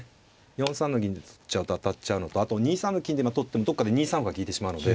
４三の銀で取っちゃうと当たっちゃうのとあと２三の金で取ってもどっかで２三歩が利いてしまうので。